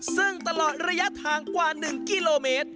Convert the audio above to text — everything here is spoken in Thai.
ซึ่งตลอดระยะทางกว่า๑กิโลเมตร